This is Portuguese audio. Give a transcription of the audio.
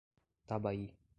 Tabaí